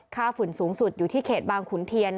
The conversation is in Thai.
ฝุ่นสูงสุดอยู่ที่เขตบางขุนเทียน